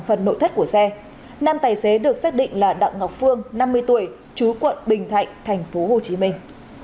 xét của xe nam tài xế được xác định là đặng ngọc phương năm mươi tuổi chú quận bình thạnh thành phố hồ chí minh